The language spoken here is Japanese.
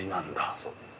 そうですね。